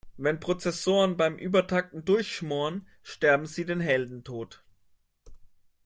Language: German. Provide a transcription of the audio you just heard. Wenn Prozessoren beim Übertakten durchschmoren, sterben sie den Heldentod.